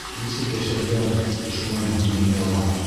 Нисек йәшәргә ошонан һуң донъяла?